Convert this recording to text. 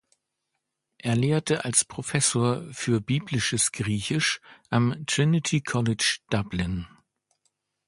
Er lehrte als Professor für biblisches Griechisch am Trinity College Dublin.